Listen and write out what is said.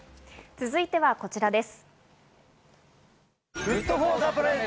続いてはこちらです。